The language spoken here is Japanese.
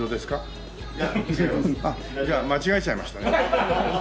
じゃあ間違えちゃいましたね。